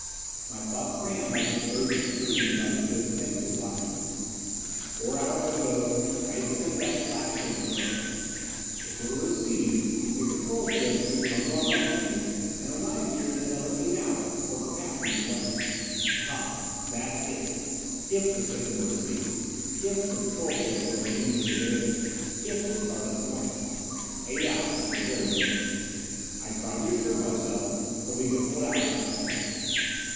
My thoughts ran like a turgid stream as I stood tensely watching. Four hours ago I had sent that flash signal to Earth. If it were received, a patrol ship could come to our rescue and arrive here in another eight hours or perhaps even less. Ah, that "if!" If the signal were received! If the patrol ship were immediately available! If it started at once.... Eight hours at the very least. I tried to assure myself that we could hold out that long....